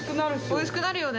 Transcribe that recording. おいしくなるよね。